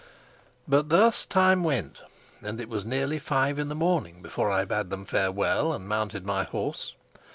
But thus time went, and it was nearly five in the morning before I bade them farewell and mounted my horse.